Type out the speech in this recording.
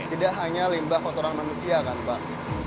tidak hanya limbah kotoran manusia kan pak